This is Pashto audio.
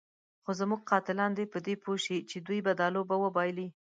خو زموږ قاتلان دې په دې پوه شي چې دوی به دا لوبه وبایلي.